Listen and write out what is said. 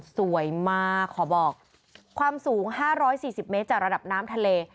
สวยมากขอบอกความสูง๕๔๐เมตรจากระดับน้ำทะเล